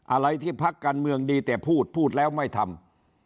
อะไรที่พักการเมืองดีแต่พูดพูดแล้วไม่ทำ